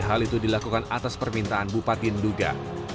hal itu dilakukan atas permintaan bupati nduga